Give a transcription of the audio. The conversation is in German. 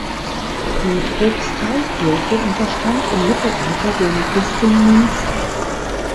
Die Propsteikirche unterstand im Mittelalter dem Bistum Münster.